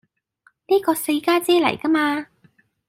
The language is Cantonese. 呢個四家姐嚟㗎嘛